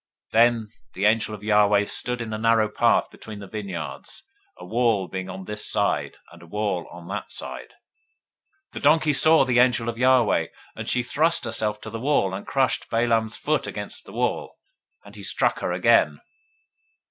022:024 Then the angel of Yahweh stood in a narrow path between the vineyards, a wall being on this side, and a wall on that side. 022:025 The donkey saw the angel of Yahweh, and she thrust herself to the wall, and crushed Balaam's foot against the wall: and he struck her again.